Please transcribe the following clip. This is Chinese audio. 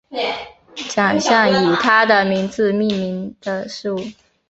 奖项以他的名字命名的事物